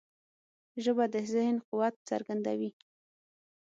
ژبه د ذهن قوت څرګندوي